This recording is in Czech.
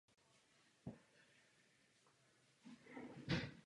Valdemar se tedy stal jediným králem Dánska.